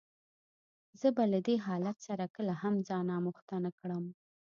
زه به له دې حالت سره کله هم ځان آموخته نه کړم.